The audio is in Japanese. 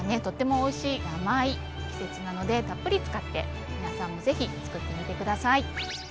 とってもおいしい甘い季節なのでたっぷり使って皆さんもぜひつくってみて下さい。